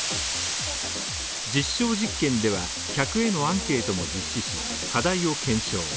実証実験では、客へのアンケートも実施し、課題も検証